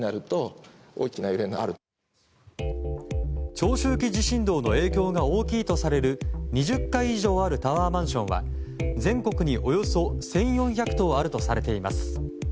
長周期地震動の影響が大きいとされる２０階以上あるタワーマンションは全国におよそ１４００棟あるとされています。